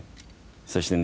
そしてね